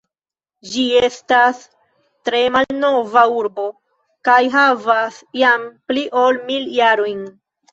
Ĝi estas tre malnova urbo kaj havas jam pli ol mil jarojn.